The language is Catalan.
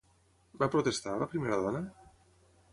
Va protestar, la primera dona?